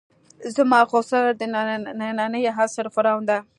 زما خُسر د نني عصر فرعون ده.